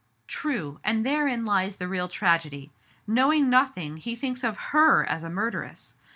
" True ; and therein lies the real tragedy. Knowing nothing, he thinks of her as a murderess.